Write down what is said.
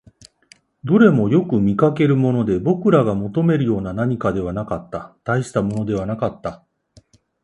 どれもよく見かけるもので、僕らが求めるような何かではなかった、大したものではなかった